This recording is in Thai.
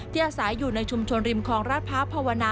ที่อาศัยอยู่ในชุมชนริมครองราชภาพภวานะ